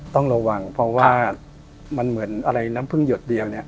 ต้องระวังเพราะว่ามันเหมือนอะไรน้ำพึ่งหยดเดียวเนี่ย